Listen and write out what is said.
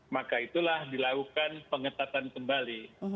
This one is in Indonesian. maka itulah dilakukan pengetatan kembali